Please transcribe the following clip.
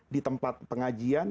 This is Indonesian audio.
di tempat pengajian